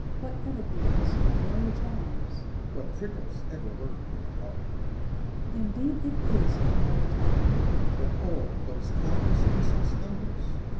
_) What evergreens and merry chimes! (What prickles ever lurk in holly!) Indeed it is a merry time; (_But O! those countless Christmas numbers!